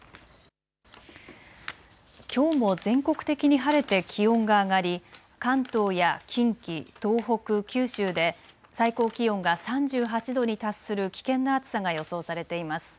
きょうも全国的に晴れて気温が上がり関東や近畿、東北、九州で最高気温が３８度に達する危険な暑さが予想されています。